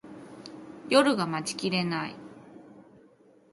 夜が待ちきれない